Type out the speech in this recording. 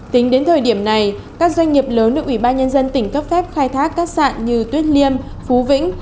tính đến thời điểm này các doanh nghiệp lớn được ủy ban nhân dân tỉnh cấp phép khai thác các sạn như tuyết liêm phú vĩnh